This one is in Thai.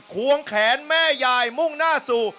ควงแขนแม่ยายมุ่งหน้าสู่